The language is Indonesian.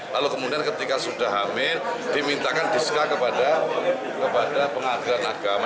lalu kemudian ketika sudah hamil dimintakan diska kepada pengadilan agama